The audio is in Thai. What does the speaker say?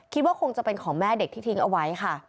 คิดว่าคงจะเป็นของแม่เด็กที่ทิ้งเอาไว้ค่ะ